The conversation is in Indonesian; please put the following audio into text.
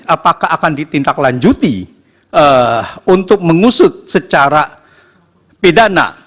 apakah akan ditindaklanjuti untuk mengusut secara pidana